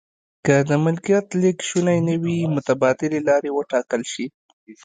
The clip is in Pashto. که د ملکیت لیږد شونی نه وي متبادلې لارې و ټاکل شي.